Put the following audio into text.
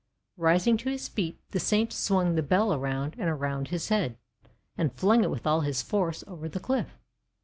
Rising to his feet, the Saint swung the bell around and around his head, and flung it with all his force over the cliff.